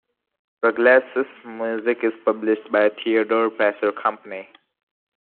Ruggles's music is published by Theodore Presser Company.